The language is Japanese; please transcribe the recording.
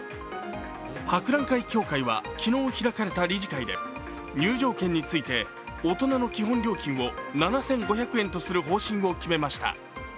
博覧会協会は昨日開かれた理事会で入場券について、大人の基本料金を７５００円とする方針を決めました。